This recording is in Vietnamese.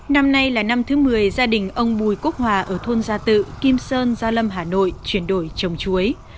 năm nay là năm thứ một mươi gia đình ông bùi quốc hòa ở thôn gia tự kim sơn gia lâm hà nội chuyển đổi trồng chuối